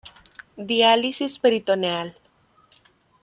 Diálisis peritoneal.